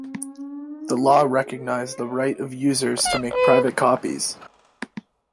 This law recognized the right of users to make private copies.